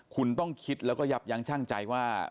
คุณต้องคิดแล้วก็ยับยั้งชั่งใจว่า